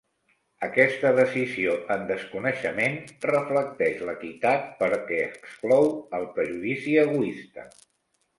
Aquesta decisió en desconeixement reflecteix l'equitat perquè exclou el prejudici egoista.